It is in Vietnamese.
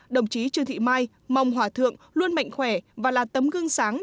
đồng chí trương thị mai mong hòa thượng luôn mạnh khỏe và là tấm gương sáng